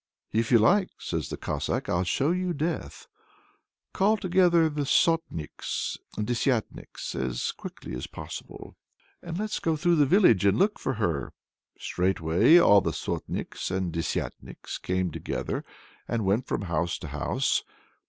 "If you like," says the Cossack, "I'll show you Death! Call together all the Sotniks and Desyatniks as quickly as possible, and let's go through the village and look for her." Straightway all the Sotniks and Desyatniks came together and went from house to house.